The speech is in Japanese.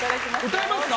歌いますか？